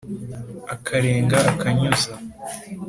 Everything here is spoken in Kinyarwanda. akarenga akanyuza